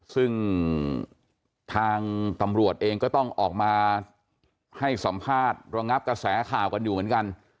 ซึ่งทางตำรวจเองก็ต้องออกมาให้สัมภาษณ์ระงับกระแสข่าวกันอยู่เหมือนกัน